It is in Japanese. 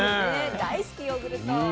大好きヨーグルト。